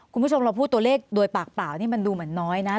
คุณผู้ชมเราพูดตัวเลขโดยปากเปล่านี่มันดูเหมือนน้อยนะ